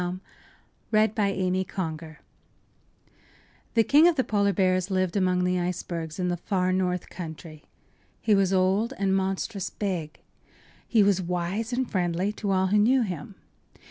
” THE KING OF THE POLAR BEARS The King of the Polar Bears lived among the icebergs in the far north country. He was old and monstrous big; he was wise and friendly to all who knew him.